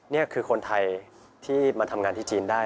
นี่คือคนไทยที่มาทำงานที่จีนได้